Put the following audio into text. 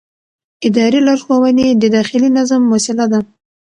اداري لارښوونې د داخلي نظم وسیله ده.